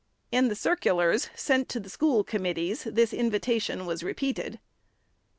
In the circulars sent to the school commit tees, this invitation was repeated.